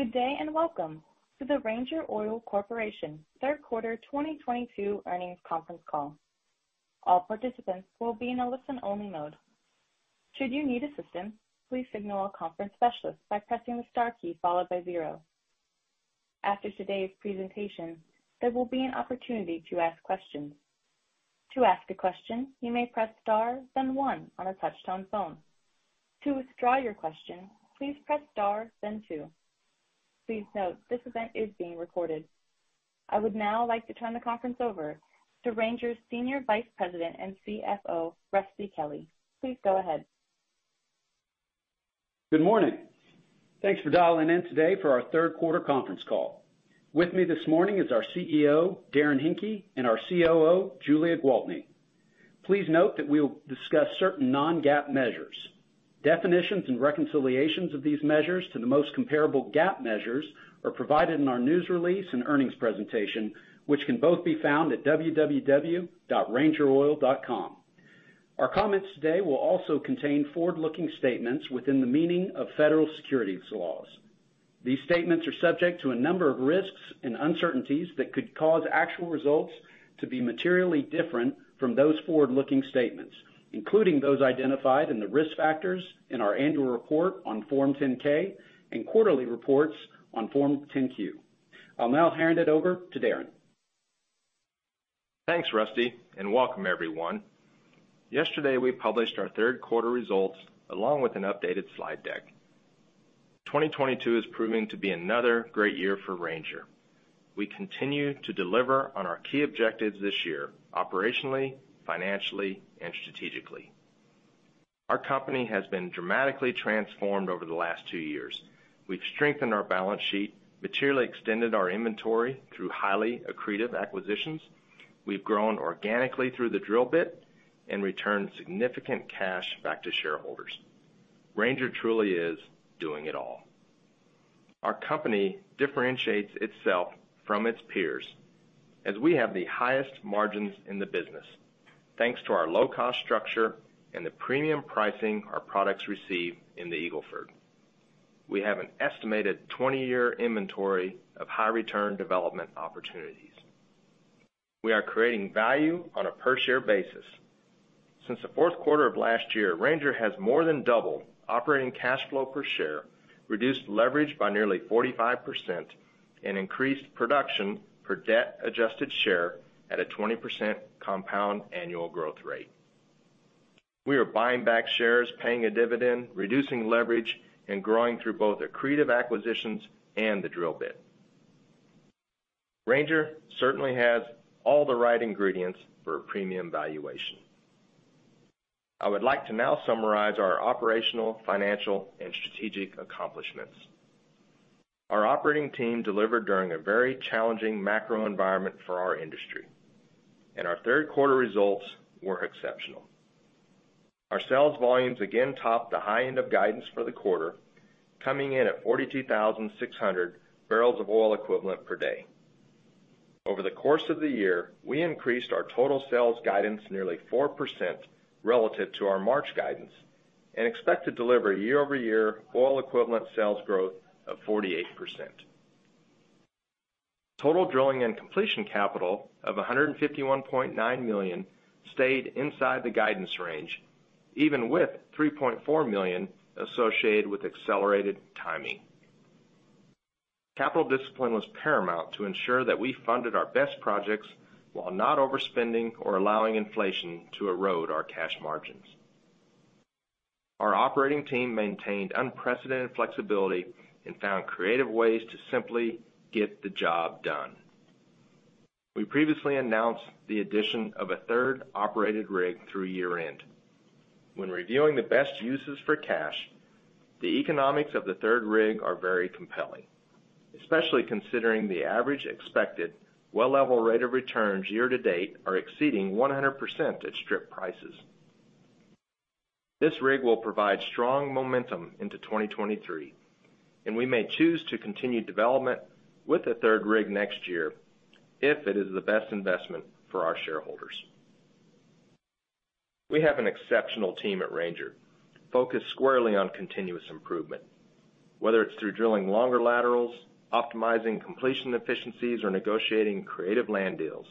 Good day, and welcome to the Ranger Oil Corporation third quarter 2022 earnings conference call. All participants will be in a listen-only mode. Should you need assistance, please signal a conference specialist by pressing the star key followed by zero. After today's presentation, there will be an opportunity to ask questions. To ask a question, you may press star, then one on a touchtone phone. To withdraw your question, please press Star, then two. Please note this event is being recorded. I would now like to turn the conference over to Ranger's Senior Vice President and CFO, Rusty Kelly. Please go ahead. Good morning. Thanks for dialing in today for our third quarter conference call. With me this morning is our CEO, Darrin J. Henke, and our COO, Julia Gwaltney. Please note that we will discuss certain non-GAAP measures. Definitions and reconciliations of these measures to the most comparable GAAP measures are provided in our news release and earnings presentation, which can both be found at www.rangeroil.com. Our comments today will also contain forward-looking statements within the meaning of federal securities laws. These statements are subject to a number of risks and uncertainties that could cause actual results to be materially different from those forward-looking statements, including those identified in the risk factors in our annual report on Form 10-K and quarterly reports on Form 10-Q. I'll now hand it over to Darrin. Thanks, Rusty, and welcome everyone. Yesterday, we published our third quarter results along with an updated slide deck. 2022 is proving to be another great year for Ranger. We continue to deliver on our key objectives this year, operationally, financially, and strategically. Our company has been dramatically transformed over the last two years. We've strengthened our balance sheet, materially extended our inventory through highly accretive acquisitions. We've grown organically through the drill bit and returned significant cash back to shareholders. Ranger truly is doing it all. Our company differentiates itself from its peers as we have the highest margins in the business, thanks to our low cost structure and the premium pricing our products receive in the Eagle Ford. We have an estimated 20-year inventory of high return development opportunities. We are creating value on a per share basis. Since the fourth quarter of last year, Ranger has more than doubled operating cash flow per share, reduced leverage by nearly 45% and increased production per debt adjusted share at a 20% compound annual growth rate. We are buying back shares, paying a dividend, reducing leverage, and growing through both accretive acquisitions and the drill bit. Ranger certainly has all the right ingredients for a premium valuation. I would like to now summarize our operational, financial, and strategic accomplishments. Our operating team delivered during a very challenging macro environment for our industry, and our third quarter results were exceptional. Our sales volumes again topped the high end of guidance for the quarter, coming in at 42,600 barrels of oil equivalent per day. Over the course of the year, we increased our total sales guidance nearly 4% relative to our March guidance and expect to deliver year-over-year oil equivalent sales growth of 48%. Total drilling and completion capital of $151.9 million stayed inside the guidance range, even with $3.4 million associated with accelerated timing. Capital discipline was paramount to ensure that we funded our best projects while not overspending or allowing inflation to erode our cash margins. Our operating team maintained unprecedented flexibility and found creative ways to simply get the job done. We previously announced the addition of a third operated rig through year-end. When reviewing the best uses for cash, the economics of the third rig are very compelling, especially considering the average expected well level rate of returns year to date are exceeding 100% at strip prices. This rig will provide strong momentum into 2023, and we may choose to continue development with the third rig next year if it is the best investment for our shareholders. We have an exceptional team at Ranger, focused squarely on continuous improvement. Whether it's through drilling longer laterals, optimizing completion efficiencies, or negotiating creative land deals,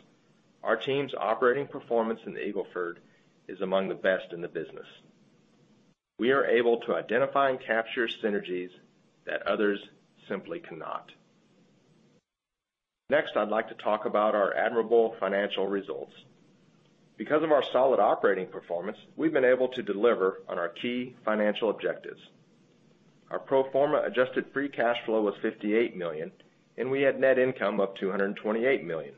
our team's operating performance in the Eagle Ford is among the best in the business. We are able to identify and capture synergies that others simply cannot. Next, I'd like to talk about our admirable financial results. Because of our solid operating performance, we've been able to deliver on our key financial objectives. Our pro forma adjusted free cash flow was $58 million, and we had net income of $228 million.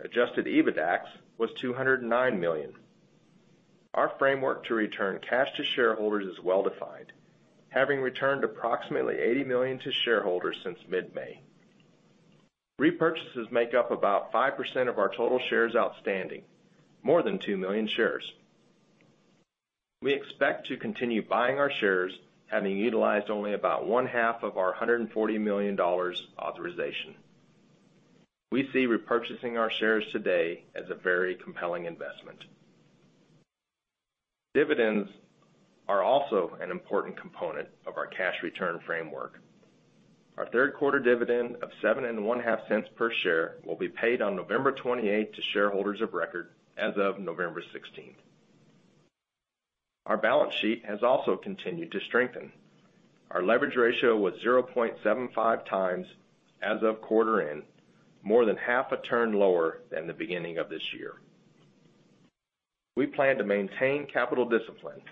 Adjusted EBITDAX was $209 million. Our framework to return cash to shareholders is well-defined, having returned approximately $80 million to shareholders since mid-May. Repurchases make up about 5% of our total shares outstanding, more than 2 million shares. We expect to continue buying our shares, having utilized only about one half of our $140 million authorization. We see repurchasing our shares today as a very compelling investment. Dividends are also an important component of our cash return framework. Our third quarter dividend of $0.075 per share will be paid on November 28 to shareholders of record as of November 16. Our balance sheet has also continued to strengthen. Our leverage ratio was 0.75 times as of quarter end, more than half a turn lower than the beginning of this year. We plan to maintain capital discipline,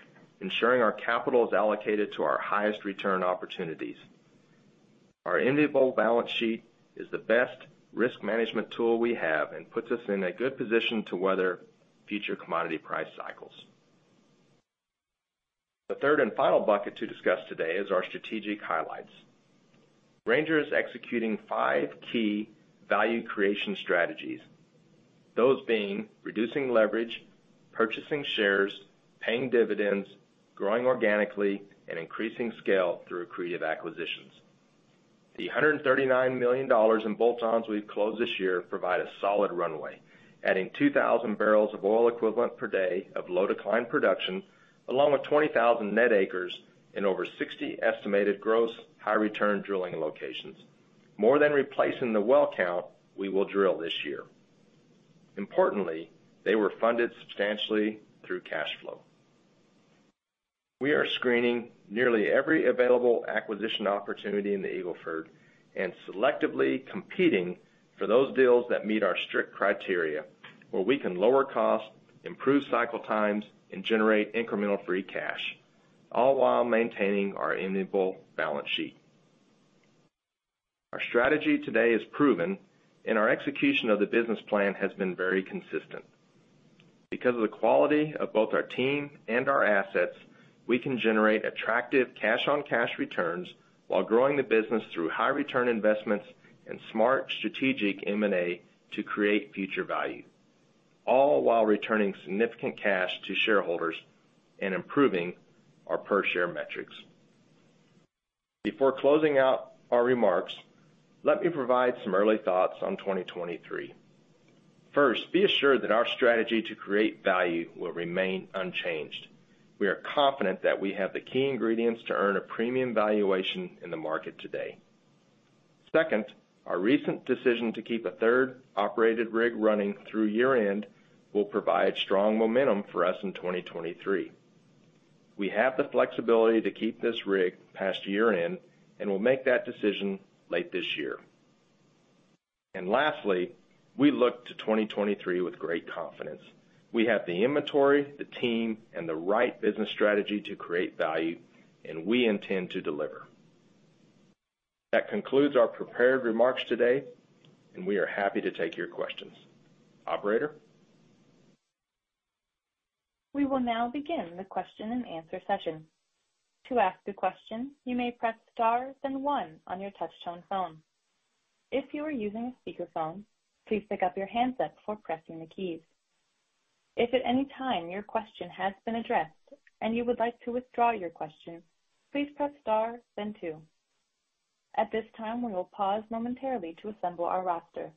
ensuring our capital is allocated to our highest return opportunities. Our enviable balance sheet is the best risk management tool we have and puts us in a good position to weather future commodity price cycles. The third and final bucket to discuss today is our strategic highlights. Ranger is executing five key value creation strategies, those being reducing leverage, purchasing shares, paying dividends, growing organically, and increasing scale through accretive acquisitions. The $139 million in bolt-ons we've closed this year provide a solid runway, adding 2,000 barrels of oil equivalent per day of low decline production, along with 20,000 net acres in over 60 estimated gross high return drilling locations, more than replacing the well count we will drill this year. Importantly, they were funded substantially through cash flow. We are screening nearly every available acquisition opportunity in the Eagle Ford and selectively competing for those deals that meet our strict criteria, where we can lower costs, improve cycle times, and generate incremental free cash, all while maintaining our enviable balance sheet. Our strategy today is proven, and our execution of the business plan has been very consistent. Because of the quality of both our team and our assets, we can generate attractive cash-on-cash returns while growing the business through high return investments and smart strategic M&A to create future value, all while returning significant cash to shareholders and improving our per share metrics. Before closing out our remarks, let me provide some early thoughts on 2023. First, be assured that our strategy to create value will remain unchanged. We are confident that we have the key ingredients to earn a premium valuation in the market today. Second, our recent decision to keep a third operated rig running through year-end will provide strong momentum for us in 2023. We have the flexibility to keep this rig past year-end, and we'll make that decision late this year. Lastly, we look to 2023 with great confidence. We have the inventory, the team, and the right business strategy to create value, and we intend to deliver. That concludes our prepared remarks today, and we are happy to take your questions. Operator? We will now begin the question-and-answer session. To ask a question, you may press star then one on your touchtone phone. If you are using a speakerphone, please pick up your handset before pressing the keys. If at any time your question has been addressed and you would like to withdraw your question, please press star then two. At this time, we will pause momentarily to assemble our roster.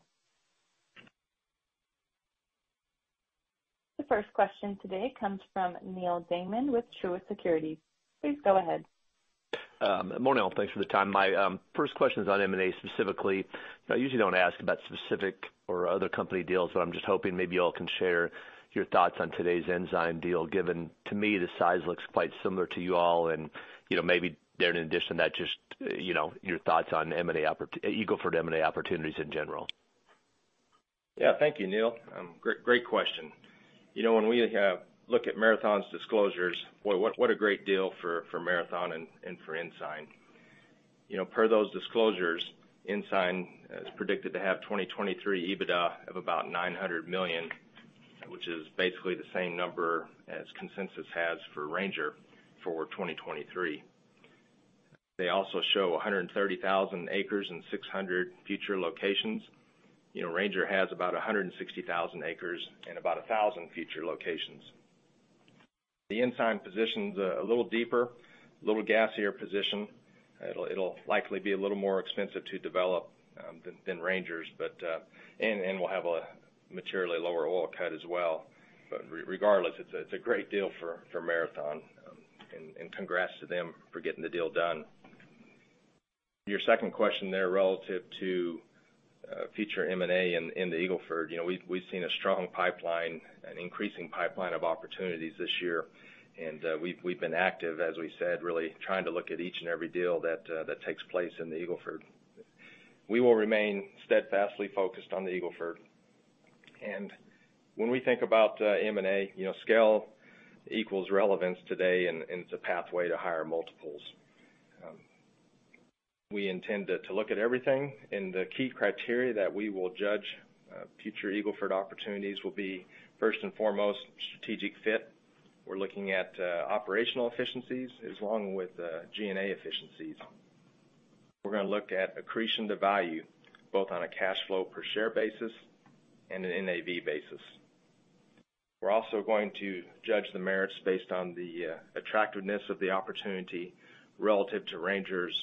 The first question today comes from Neal Dingmann with Truist Securities. Please go ahead. Morning all. Thanks for the time. My first question is on M&A specifically. I usually don't ask about specific or other company deals, but I'm just hoping maybe y'all can share your thoughts on today's Ensign deal, given to me, the size looks quite similar to you all. You know, maybe there, in addition to that, just your thoughts on Eagle Ford M&A opportunities in general. Yeah. Thank you, Neil. Great question. You know, when we look at Marathon's disclosures, boy, what a great deal for Marathon and for Ensign. You know, per those disclosures, Ensign is predicted to have 2023 EBITDA of about $900 million, which is basically the same number as consensus has for Ranger for 2023. They also show 130,000 acres and 600 future locations. You know, Ranger has about 160,000 acres and about 1,000 future locations. The Ensign position's a little deeper, a little gassier position. It'll likely be a little more expensive to develop than Rangers, but we'll have a materially lower oil cut as well. Regardless, it's a great deal for Marathon, and congrats to them for getting the deal done. To your second question there relative to future M&A in the Eagle Ford we've seen a strong pipeline, an increasing pipeline of opportunities this year, and we've been active, as we said, really trying to look at each and every deal that takes place in the Eagle Ford. We will remain steadfastly focused on the Eagle Ford. When we think about m&a scale equals relevance today and it's a pathway to higher multiples. We intend to look at everything, and the key criteria that we will judge future Eagle Ford opportunities will be, first and foremost, strategic fit. We're looking at operational efficiencies along with G&A efficiencies. We're gonna look at accretion to value, both on a cash flow per share basis and an NAV basis. We're also going to judge the merits based on the attractiveness of the opportunity relative to Ranger's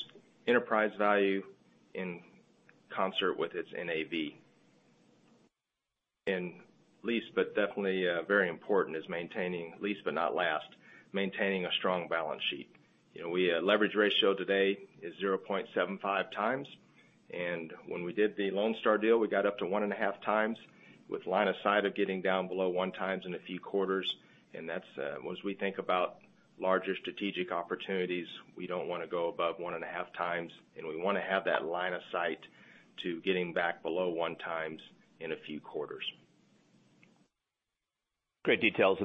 enterprise value in concert with its NAV. Last but not least, very important is maintaining a strong balance sheet. You know, leverage ratio today is 0.75x. When we did the Lonestar deal, we got up to 1.5x with line of sight of getting down below 1x in a few quarters. That's, as we think about larger strategic opportunities, we don't wanna go above 1.5x, and we wanna have that line of sight to getting back below 1x in a few quarters. Great details.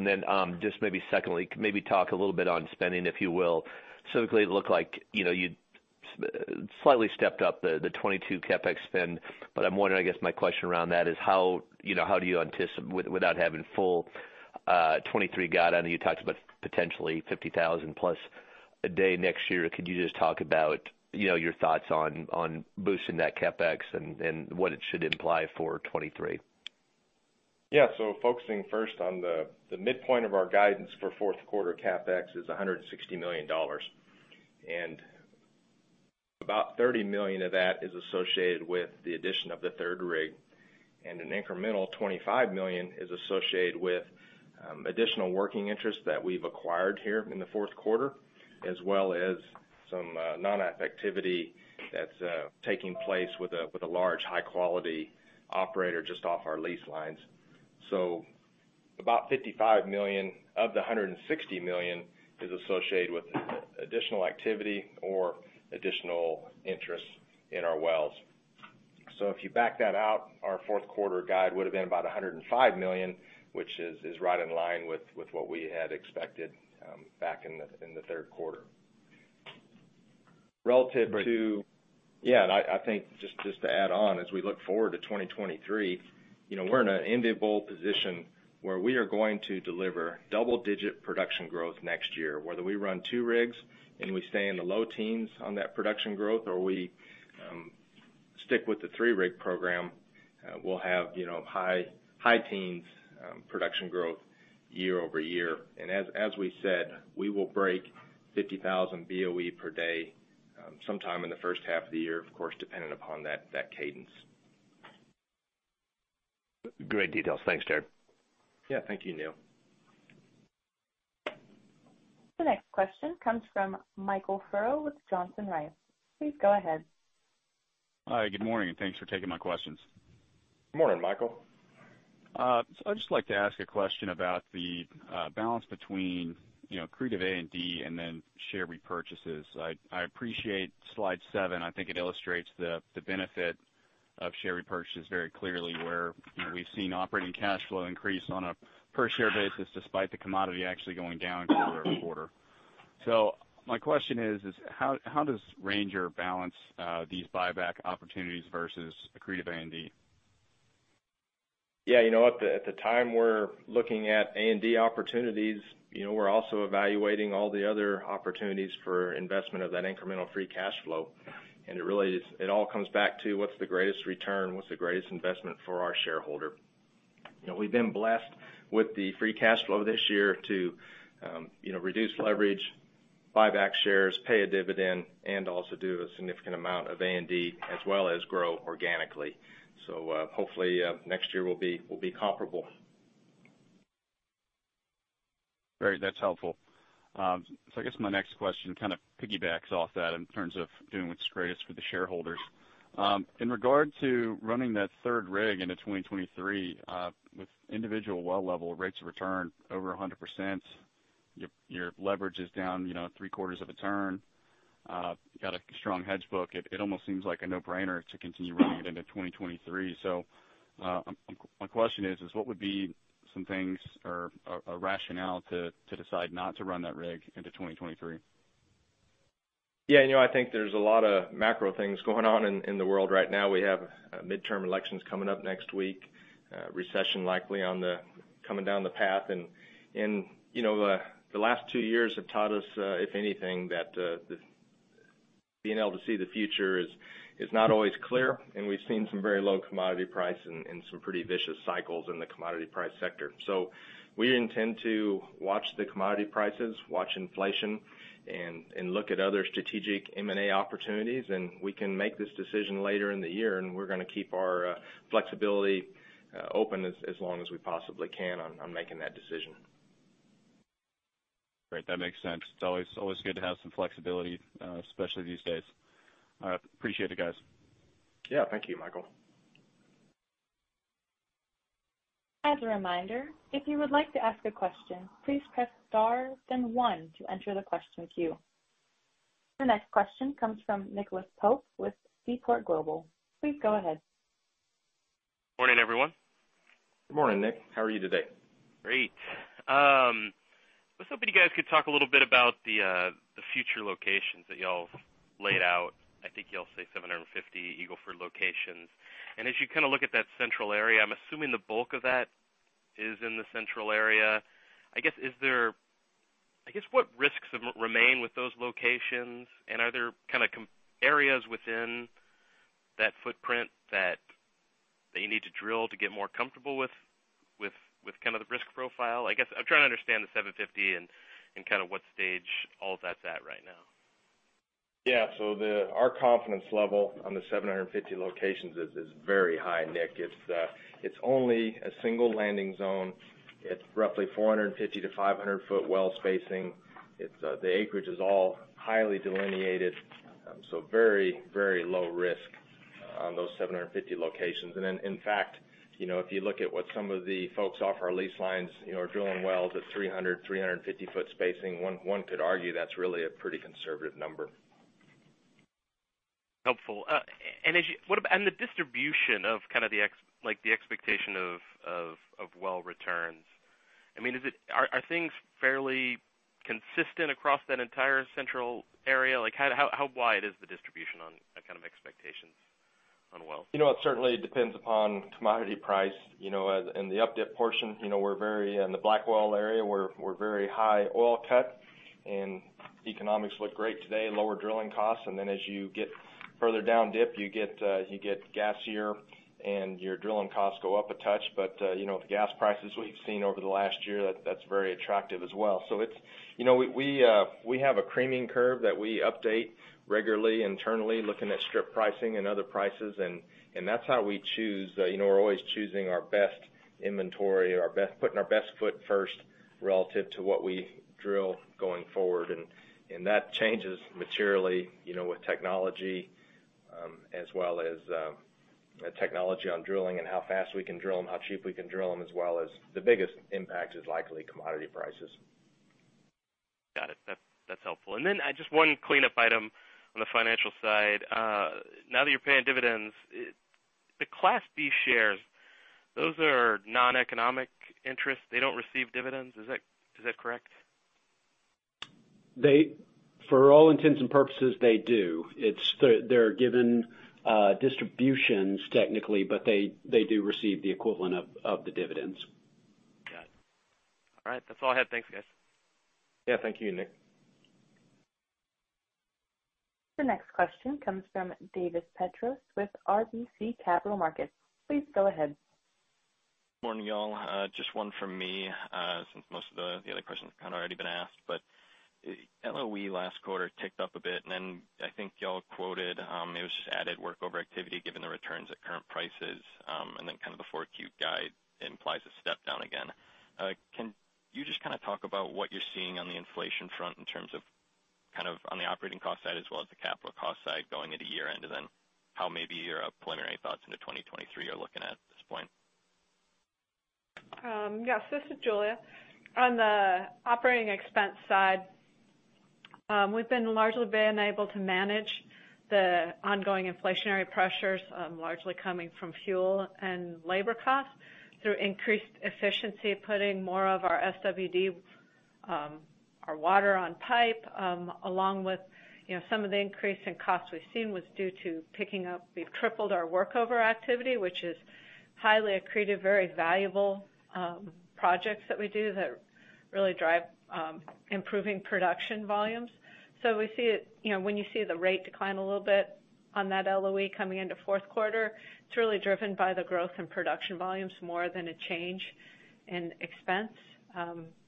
Just maybe secondly, maybe talk a little bit on spending, if you will. Certainly it looks like you'd slightly stepped up the 2022 CapEx spend. I'm wondering, I guess, my question around that is how how do you anticipate without having full 2023 guidance. I know you talked about potentially 50,000+ a day next year. Could you just talk about your thoughts on boosting that CapEx and what it should imply for 2023? Yeah. Focusing first on the midpoint of our guidance for fourth quarter CapEx is $160 million. About $30 million of that is associated with the addition of the third rig, and an incremental $25 million is associated with additional working interest that we've acquired here in the fourth quarter, as well as some non-op activity that's taking place with a large high quality operator just off our lease lines. About $55 million of the $160 million is associated with additional activity or additional interest in our wells. If you back that out, our fourth quarter guide would've been about $105 million, which is right in line with what we had expected back in the third quarter. Relative to... Yeah, I think just to add on, as we look forward to 2023 we're in an enviable position where we are going to deliver double digit production growth next year. Whether we run 2 rigs and we stay in the low teens on that production growth or we stick with the 3-rig program, we'll have high teens production growth year-over-year. As we said, we will break 50,000 BOE per day sometime in the first half of the year, of course, dependent upon that cadence. Great details. Thanks, Darrin. Yeah. Thank you, Neal. The next question comes from Michael Furrow with Johnson Rice. Please go ahead. Hi, good morning, and thanks for taking my questions. Good morning, Michael. I'd just like to ask a question about the balance between accretive A&D and then share repurchases. I appreciate slide seven. I think it illustrates the benefit of share repurchases very clearly, where we've seen operating cash flow increase on a per share basis despite the commodity actually going down quarter over quarter. My question is how does Ranger balance these buyback opportunities versus accretive A&D? Yeah. You know, at the time we're looking at A&D opportunities we're also evaluating all the other opportunities for investment of that incremental free cash flow. It really is. It all comes back to what's the greatest return, what's the greatest investment for our shareholder. You know, we've been blessed with the free cash flow this year to reduce leverage, buy back shares, pay a dividend, and also do a significant amount of A&D, as well as grow organically. Hopefully, next year will be comparable. Great. That's helpful. I guess my next question kind of piggybacks off that in terms of doing what's greatest for the shareholders. In regard to running that third rig into 2023, with individual well level rates of return over 100%, your leverage is down three quarters of a turn, got a strong hedge book. It almost seems like a no-brainer to continue running it into 2023. My question is what would be some things or a rationale to decide not to run that rig into 2023? Yeah. You know, I think there's a lot of macro things going on in the world right now. We have midterm elections coming up next week, recession likely coming down the path. You know, the last two years have taught us, if anything, that the being able to see the future is not always clear, and we've seen some very low commodity price and some pretty vicious cycles in the commodity price sector. We intend to watch the commodity prices, watch inflation and look at other strategic M&A opportunities, and we can make this decision later in the year, and we're gonna keep our flexibility open as long as we possibly can on making that decision. Great. That makes sense. It's always good to have some flexibility, especially these days. All right. Appreciate it, guys. Yeah. Thank you, Michael. As a reminder, if you would like to ask a question, please press star then one to enter the question queue. The next question comes from Nicholas Pope with Seaport Global. Please go ahead. Morning, everyone. Good morning, Nick. How are you today? Great. I was hoping you guys could talk a little bit about the future locations that y'all laid out. I think y'all say 750 Eagle Ford locations. As you kinda look at that central area, I'm assuming the bulk of that is in the central area. I guess what risks remain with those locations, and are there kinda areas within that footprint that you need to drill to get more comfortable with kind of the risk profile? I guess I'm trying to understand the 750 and kinda what stage all of that's at right now. Our confidence level on the 750 locations is very high, Nick. It's only a single landing zone. It's roughly 450-500 foot well spacing. The acreage is all highly delineated, so very low risk on those 750 locations. In fact if you look at what some of the folks off our lease lines are drilling wells at 300-350 foot spacing, one could argue that's really a pretty conservative number. Helpful. What about the distribution of kind of the expectation of well returns? I mean, are things fairly consistent across that entire central area? Like, how wide is the distribution on that kind of expectations on wells? You know, it certainly depends upon commodity price, you know. In the up dip portion we're very in the black well area. We're very high oil cut, and economics look great today, lower drilling costs. Then as you get further down dip, you get gassier and your drilling costs go up a touch. You know, with gas prices, what you've seen over the last year, that's very attractive as well. You know, we have a creaming curve that we update regularly internally looking at strip pricing and other prices, and that's how we choose. You know, we're always choosing our best inventory, putting our best foot first relative to what we drill going forward. That changes materially with technology, as well as, technology on drilling and how fast we can drill them, how cheap we can drill them, as well as the biggest impact is likely commodity prices. Got it. That's helpful. Just one cleanup item on the financial side. Now that you're paying dividends, the Class B shares, those are non-economic interests. They don't receive dividends. Is that correct? For all intents and purposes, they do. They're given distributions technically, but they do receive the equivalent of the dividends. Got it. All right. That's all I had. Thanks, guys. Yeah, thank you, Nick. The next question comes from Davis Petros with RBC Capital Markets. Please go ahead. Morning, y'all. Just one from me, since most of the other questions have kind of already been asked. LOE last quarter ticked up a bit, and then I think y'all quoted, it was just added work over activity given the returns at current prices, and then kind of the 4Q guide implies a step down again. Can you just kinda talk about what you're seeing on the inflation front in terms of, kind of on the operating cost side as well as the capital cost side going into year-end? And then how maybe your preliminary thoughts into 2023 are looking at this point? Yes. This is Julia. On the operating expense side, we've been largely able to manage the ongoing inflationary pressures, largely coming from fuel and labor costs through increased efficiency, putting more of our SWD, our water on pipe, along with some of the increase in costs we've seen was due to picking up. We've tripled our work over activity, which is highly accretive, very valuable, projects that we do that really drive, improving production volumes. So we see it when you see the rate decline a little bit on that LOE coming into fourth quarter, it's really driven by the growth in production volumes more than a change in expense.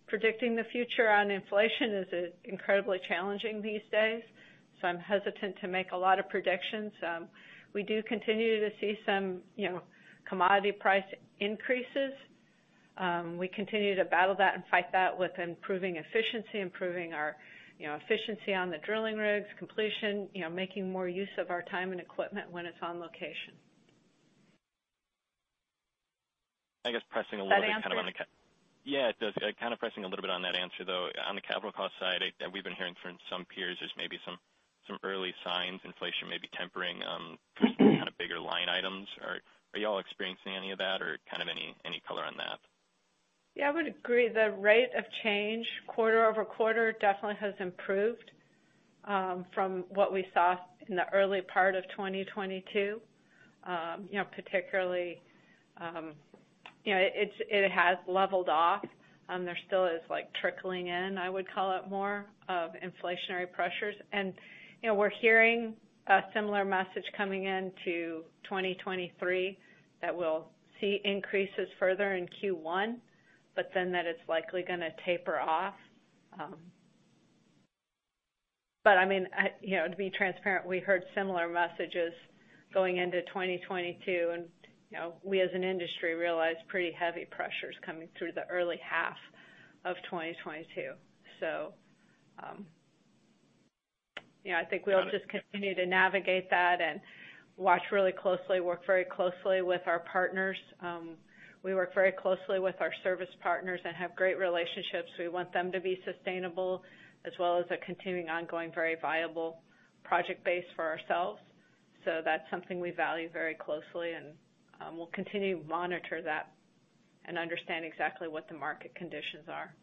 Predicting the future on inflation is incredibly challenging these days, so I'm hesitant to make a lot of predictions. We do continue to see some commodity price increases. We continue to battle that and fight that with improving efficiency, improving our efficiency on the drilling rigs, completion making more use of our time and equipment when it's on location. I guess pressing a little bit, kind of. That answers. Yeah, it does. Kind of pressing a little bit on that answer, though. On the capital cost side, we've been hearing from some peers there's maybe some early signs inflation may be tempering, kind of bigger line items. Are you all experiencing any of that or kind of any color on that? Yeah, I would agree. The rate of change quarter-over-quarter definitely has improved from what we saw in the early part of 2022. You know, particularly it has leveled off. There still is, like, trickling in, I would call it more, of inflationary pressures. You know, we're hearing a similar message coming into 2023 that we'll see increases further in Q1, but then that it's likely gonna taper off. But I mean to be transparent, we heard similar messages going into 2022 and we as an industry realized pretty heavy pressures coming through the early half of 2022. You know, I think we'll just continue to navigate that and watch really closely, work very closely with our partners. We work very closely with our service partners and have great relationships. We want them to be sustainable as well as a continuing, ongoing, very viable project base for ourselves. That's something we value very closely and we'll continue to monitor that and understand exactly what the market conditions are.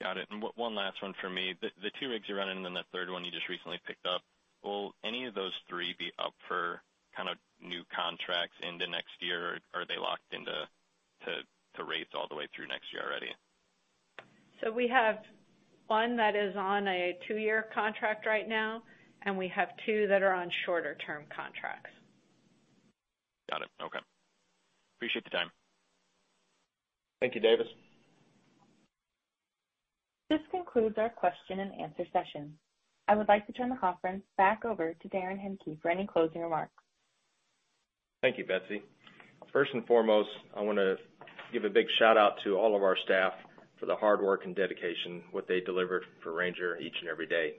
Got it. One last one for me. The two rigs you're running and then that third one you just recently picked up, will any of those three be up for kind of new contracts into next year, or are they locked into rates all the way through next year already? We have one that is on a two-year contract right now, and we have two that are on shorter-term contracts. Got it. Okay. Appreciate the time. Thank you, Davis. This concludes our question and answer session. I would like to turn the conference back over to Darrin Henke for any closing remarks. Thank you, Betsy. First and foremost, I wanna give a big shout-out to all of our staff for the hard work and dedication, what they deliver for Ranger each and every day.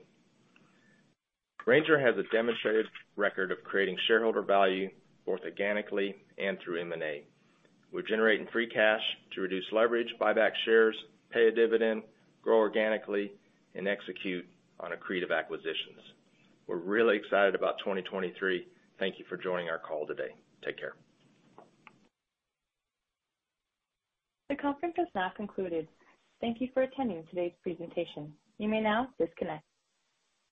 Ranger has a demonstrated record of creating shareholder value both organically and through M&A. We're generating free cash to reduce leverage, buy back shares, pay a dividend, grow organically, and execute on accretive acquisitions. We're really excited about 2023. Thank you for joining our call today. Take care. The conference has now concluded. Thank you for attending today's presentation. You may now disconnect.